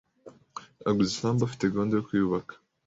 Yaguze isambu afite gahunda yo kuyubaka.